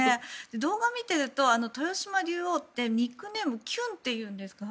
動画を見ていると豊島竜王ってニックネーム、きゅんっていうんですか？